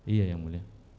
iya yang mulia